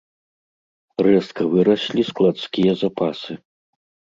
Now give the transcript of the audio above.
Рэзка выраслі складскія запасы.